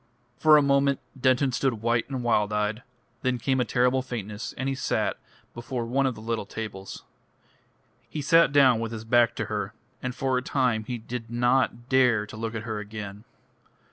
For a moment Denton stood white and wild eyed; then came a terrible faintness, and he sat before one of the little tables. He sat down with his back to her, and for a time he did not dare to look at her again.